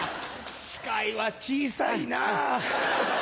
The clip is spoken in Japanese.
司会は小さいなぁ。